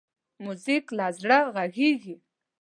موزیک له زړه غږېږي.